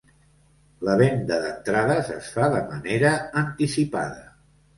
La venda d’entrades es fa de manera anticipada.